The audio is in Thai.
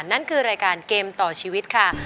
นั่นคือรายการเกมต่อชีวิตค่ะ